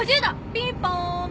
ピンポーン！